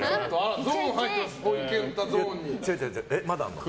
ゾーン入ってます。